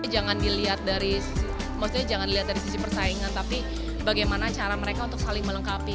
jangan dilihat dari sisi persaingan tapi bagaimana cara mereka untuk saling melengkapi